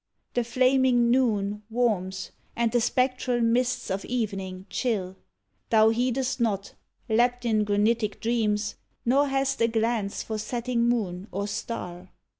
The flaming noon Warms, and the spectral mists of evening chill: Thou heedest not, lapt in granitic dreams. Nor hast a glance for setting moon or star.